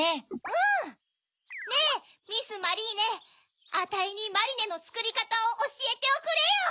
うん！ねぇミス・マリーネあたいにマリネのつくりかたをおしえておくれよ！